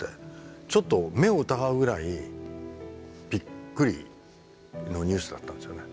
ちょっと目を疑うぐらいびっくりのニュースだったんですよね。